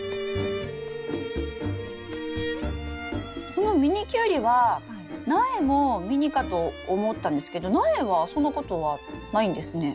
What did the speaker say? このミニキュウリは苗もミニかと思ったんですけど苗はそんなことはないんですね。